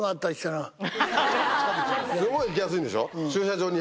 すごい行きやすいんでしょ？